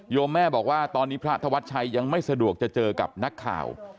แม่บอกว่าตอนนี้พระธวัชชัยยังไม่สะดวกจะเจอกับนักข่าว